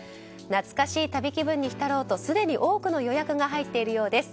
懐かしい旅気分に浸ろうとすでに多くの予約が入っているようです。